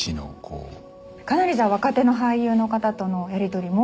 かなり若手の俳優の方とのやりとりも。